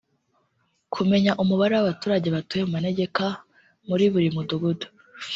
kumenya umubare w’abaturage batuye mu manegeka muri buri mudugudu